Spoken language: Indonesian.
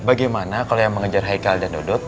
bagaimana kalau yang mengejar haikal dan dodot